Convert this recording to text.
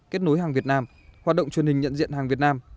kết nối hàng việt nam hoạt động chương trình nhận diện hàng việt nam